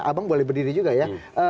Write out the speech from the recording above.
abang boleh berdiri juga ya